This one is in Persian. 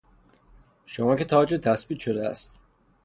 شما که تاجِت تثبیت شده است